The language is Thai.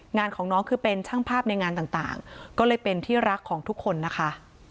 งานของน้องคือเป็นช่างภาพในงานต่างก็เลยเป็นที่รักของทุกคนนะคะ